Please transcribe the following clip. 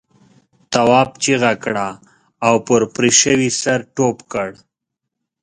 تواب چیغه کړه او پر پرې شوي سر ټوپ کړ.